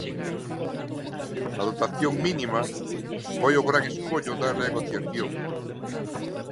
A dotación mínima foi o gran escollo da negociación.